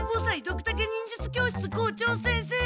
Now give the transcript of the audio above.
ドクタケ忍術教室校長先生。